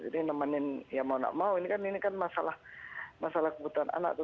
jadi nemenin ya mau nggak mau ini kan ini kan masalah kebutuhan anak itu